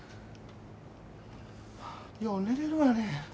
よう寝れるわね。